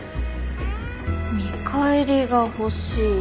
見返りが欲しい。